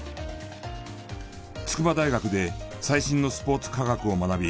筑波大学で最新のスポーツ科学を学び